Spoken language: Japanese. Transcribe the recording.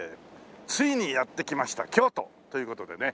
ついにやって来ました京都という事でね。